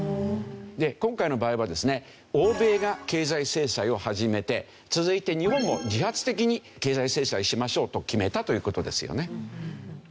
で今回の場合はですね欧米が経済制裁を始めて続いて日本も自発的に経済制裁しましょうと決めたという事ですよね。